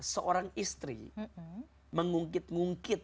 seorang istri mengungkit ngungkit